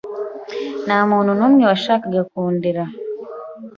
nta muntu n’umwe washakaga Kundera,